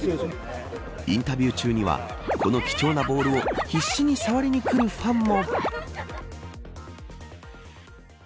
インタビュー中にはこの貴重なボールを必死に触りに来るファンも。